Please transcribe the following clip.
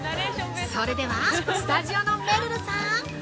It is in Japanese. それでは、スタジオのめるるさん！